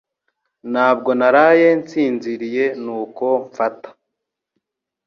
Ntabwo naraye nsinziriye nuko mfata